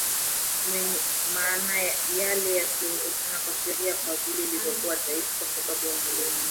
Maana yale yasiyowezekana kwa sheria kwa vile ilivyokuwa dhaifu kwa sababu ya mwili Mungu